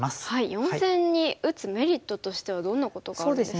４線に打つメリットとしてはどんなことがあるんですか？